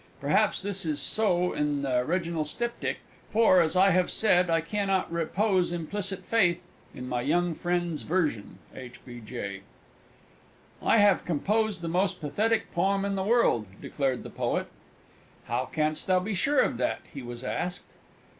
Perhaps this is so in the original Styptic, for, as I have said, I cannot repose implicit faith in my young friend's version. H. B. J. "I have composed the most pathetic poem in the world!" declared the Poet. "How can'st thou be sure of that," he was asked.